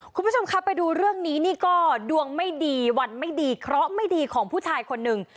คุณผู้ชมครับไปดูเรื่องนี้นี่ก็ดวงไม่ดีวันไม่ดีเคราะห์ไม่ดีของผู้ชายคนหนึ่ง